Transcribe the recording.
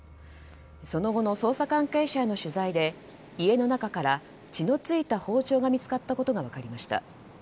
その後の捜査関係者への取材で家の中から血の付いた包丁が見つかったことが分かりました。